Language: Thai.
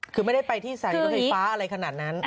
คือไม่ได้ไปที่สถานีรถไฟฟ้าอะไรขนาดนั้น